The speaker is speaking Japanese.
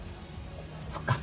そっか。